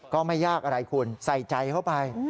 ก็ไม่ยากอะไรคุณใส่ใจเข้าไป